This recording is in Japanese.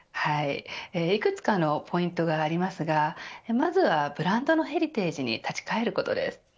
いくつかのポイントがありますがまずはブランドのヘリテージに立ち返ることです。